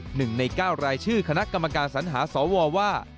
หนึ่งในเก้ารายชื่อคณะกรรมการสัญหาสวว่า